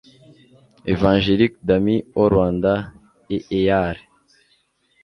Evang lique des Amis au Rwanda E E A R